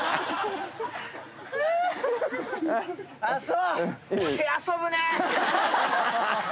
あっそう！